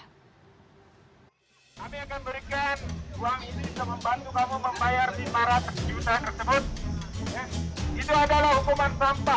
kami akan berikan uang ini untuk membantu kamu membayar si para penjuta tersebut